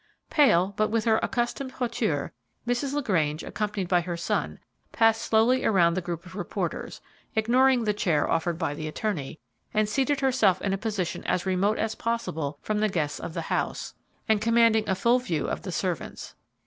Pale, but with all her accustomed hauteur, Mrs. LaGrange, accompanied by her son, passed slowly around the group of reporters, ignoring the chair offered by the attorney, and seated herself in a position as remote as possible from the guests of the house and commanding a full view of the servants.